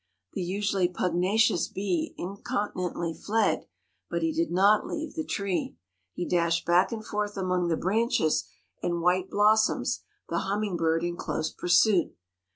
The usually pugnacious bee incontinently fled, but he did not leave the tree. He dashed back and forth among the branches and white blossoms, the hummingbird in close pursuit.